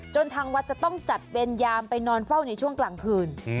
ทางวัดจะต้องจัดเวรยามไปนอนเฝ้าในช่วงกลางคืน